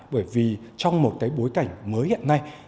bởi vì trong một bối cảnh mới hiện nay